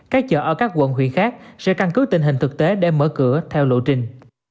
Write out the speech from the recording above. các chợ ở các quận huyện khác sẽ căn cứ tình hình thực tế để mở cửa theo lộ trình